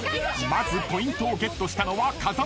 ［まずポイントをゲットしたのは風間軍］